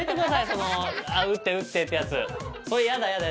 その「打って打って」っていうやつそれやだやだ